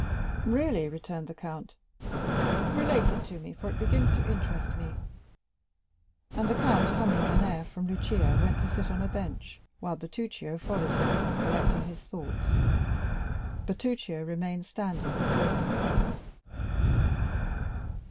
"Really," returned the count, "relate it to me, for it begins to interest me." And the count, humming an air from Lucia, went to sit down on a bench, while Bertuccio followed him, collecting his thoughts. Bertuccio remained standing before him.